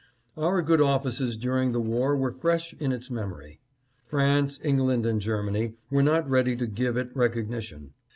Our good offices during the war were fresh in its memory. France, England and Germany were not ready to give it recognition.